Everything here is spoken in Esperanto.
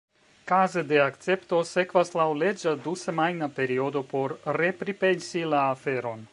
Kaze de akcepto sekvas laŭleĝa dusemajna periodo por repripensi la aferon.